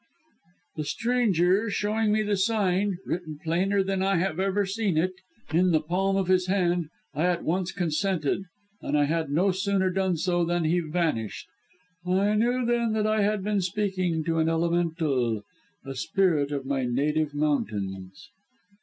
"The stranger showing me the sign written plainer than I have ever seen it in the palm of his hand, I at once consented, and I had no sooner done so than he vanished. I knew then that I had been speaking to an Elemental a spirit of my native mountains."